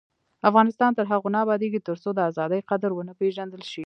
افغانستان تر هغو نه ابادیږي، ترڅو د ازادۍ قدر ونه پیژندل شي.